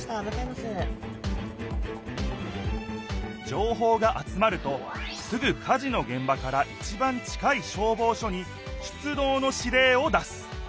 情報が集まるとすぐ火事のげん場からいちばん近い消防署に出どうの指令を出す。